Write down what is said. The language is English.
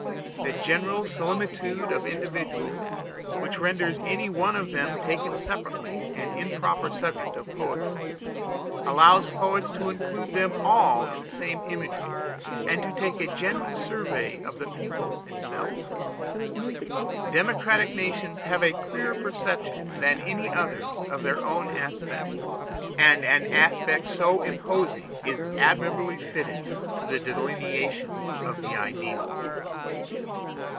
The general similitude of individuals, which renders any one of them taken separately an improper subject of poetry, allows poets to include them all in the same imagery, and to take a general survey of the people itself. Democractic nations have a clearer perception than any others of their own aspect; and an aspect so imposing is admirably fitted to the delineation of the ideal.